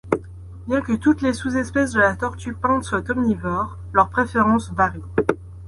Bien que toutes les sous-espèces de la Tortue peinte soient omnivores, leurs préférences varient.